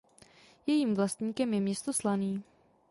Jejím vlastníkem je město Slaný.